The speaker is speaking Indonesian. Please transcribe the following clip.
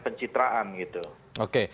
pencitraan gitu oke